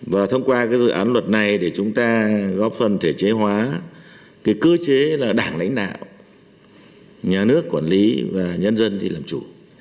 và thông qua cái dự án luật này để chúng ta góp phần thể chế hóa cái cơ chế là đảng lãnh đạo nhà nước quản lý và nhân dân thì làm chủ